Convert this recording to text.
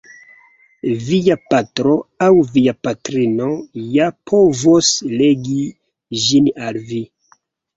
Via patro aŭ via patrino ja povos legi ĝin al vi.